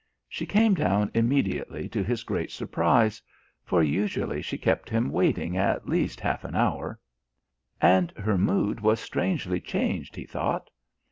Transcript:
She came down immediately to his great surprise for usually she kept him waiting at least half an hour and her mood was strangely changed, he thought.